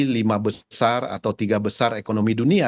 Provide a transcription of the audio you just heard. lima besar atau tiga besar ekonomi dunia